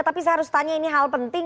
tapi saya harus tanya ini hal penting